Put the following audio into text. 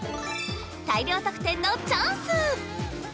大量得点のチャンス！